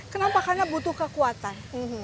kenapa karena butuh kekuatan